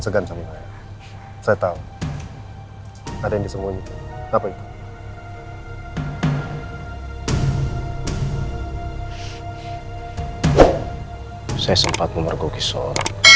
segan saya tahu ada yang disembunyikan apa itu saya sempat memergoki soh